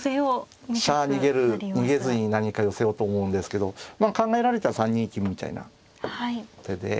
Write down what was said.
飛車逃げる逃げずに何か寄せようと思うんですけど考えられる手は３二金みたいな手で。